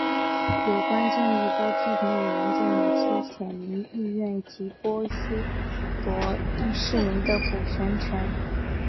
有关建议遭批评为严重扭曲选民意愿及剥夺市民的补选权。